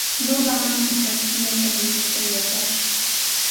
Nuqa manam kastilla rimayta yachatsu.